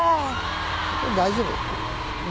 大丈夫。